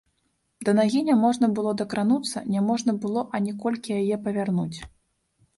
Да нагі няможна было дакрануцца, няможна было ані колькі яе павярнуць.